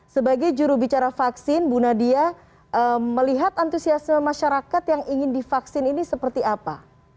sebagai jurubicara vaksin bu nadia melihat antusiasme masyarakat yang ingin divaksin ini seperti apa